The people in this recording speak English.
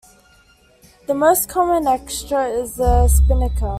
The most common extra is the spinnaker.